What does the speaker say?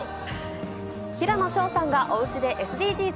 平野紫耀さんがおうちでＳＤＧｓ。